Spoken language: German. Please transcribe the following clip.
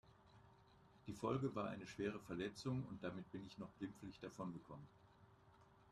Die Folge war eine schwere Verletzung und damit bin ich noch glimpflich davon gekommen.